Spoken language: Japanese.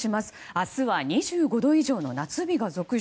明日は２５度以上の夏日が続出。